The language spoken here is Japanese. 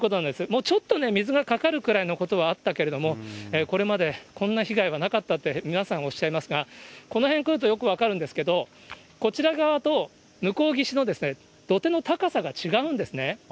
もうちょっと水がかかるぐらいのことはあったけれども、これまでこんな被害はなかったって、皆さんおっしゃいますが、この辺来るとよく分かるんですけど、こちら側と向こう岸の土手の高さが違うんですね。